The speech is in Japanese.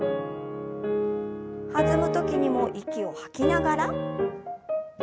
弾む時にも息を吐きながら。